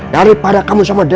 daripada kamu sama dede